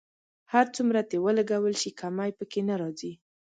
هر څومره ترې ولګول شي کمی په کې نه راځي.